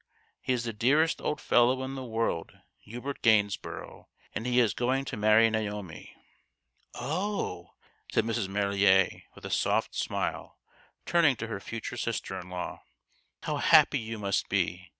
He is the dearest old fellow in the world Hubert Gainsborough and he is going to rnarry Naomi." " Oh !" said Mrs. Marillier, with a soft smile, turning to her future sister in law. " How happy you must be